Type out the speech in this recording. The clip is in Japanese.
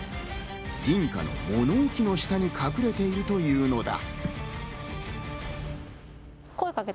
民家の物置の下に隠れているというのだ。